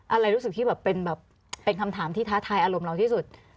อะไรรู้สึกที่แบบเป็นแบบเป็นคำถามที่ท้าทายอารมณ์เราที่สุด